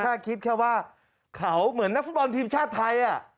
แค่คิดแค่ว่าเขาเหมือนนักฟุตบอลทีมชาติไทย